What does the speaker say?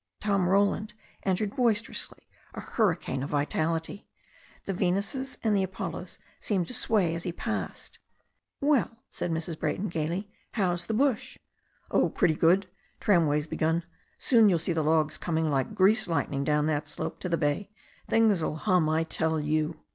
Tom Roland entered boisterously, a hurricane of vitality. The Venuses and the ApoUos seemed to sway as he passed. "Well," said Mrs. Brayton gaily, "how's the bush?" "Oh, pretty good. Tramway's beg^n. Soon you'll see the logs coming like greased lightning down that slope to the bay. Things'!! hum, I tell you."